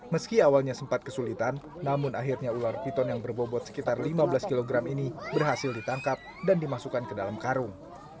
meski awalnya sempat kesulitan namun akhirnya ular piton yang berbobot sekitar lima belas kg ini berhasil ditangkap dan dimasukkan ke dalam karung